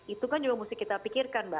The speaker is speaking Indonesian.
itu kan juga mesti kita pikirkan mbak